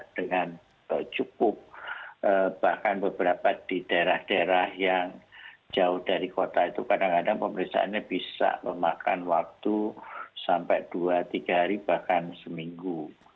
dengan cukup bahkan beberapa di daerah daerah yang jauh dari kota itu kadang kadang pemeriksaannya bisa memakan waktu sampai dua tiga hari bahkan seminggu